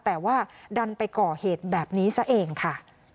แต่ว่าดันไปก่อเหตุแบบนี้ซะเองค่ะ